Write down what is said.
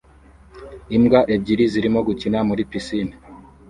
Imbwa ebyiri zirimo gukina muri pisine